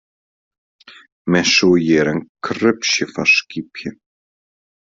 Men soe hjir in krupsje fan skypje.